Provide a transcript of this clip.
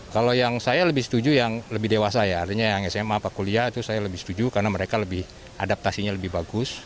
kalau yang saya lebih setuju yang lebih dewasa ya artinya yang sma apa kuliah itu saya lebih setuju karena mereka lebih adaptasinya lebih bagus